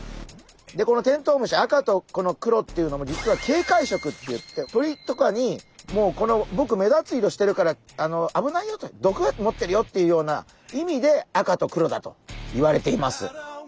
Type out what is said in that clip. でこのテントウムシ赤とこの黒っていうのも実は警戒色っていって鳥とかにもうぼく目立つ色してるから危ないよと毒を持ってるよっていうような意味で赤と黒だといわれています。